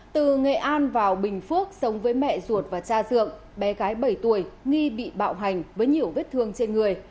từ nghệ an vào bình phước sống với mẹ ruột và cha dượng bé gái bảy tuổi nghi bị bạo hành với nhiều vết thương trên người